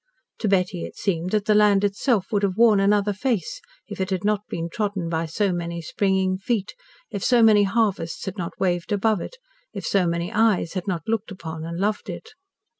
To Betty it seemed that the land itself would have worn another face if it had not been trodden by so many springing feet, if so many harvests had not waved above it, if so many eyes had not looked upon and loved it.